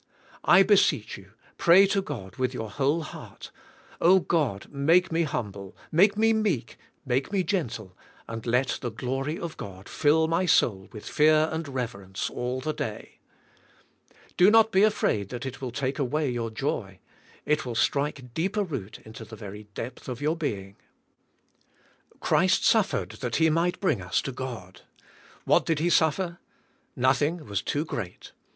I beseech you, pray to God with your whole heart, "Oh! God, make me humble, make me meek, make me gentle, and let the glory of God fill my soul with fear and CHRIST BRINGING US TO GOD. 141 reverence all the day." Do not be afraid that it will take away your joy. It will strike deeper root into the very depth of your being*. Christ suffered, that He mig ht bring* us to God. What did He suffer ? Nothing was too g reat.